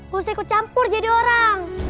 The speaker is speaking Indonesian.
harus ikut campur jadi orang